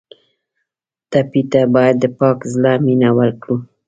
ټپي ته باید د پاک زړه مینه ورکړو.